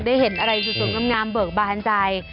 มันได้เห็นอะไรสุดสุดงามเบิกบาหันใจ